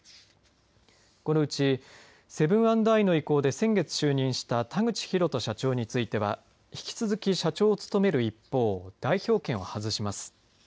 このうちセブン＆アイの意向で先月、就任した田口広人社長については引き続き社長を務める一方代表権を外します。